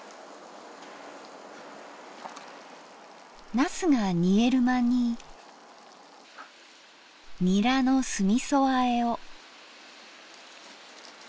なすが煮える間にニラの酢みそあえを。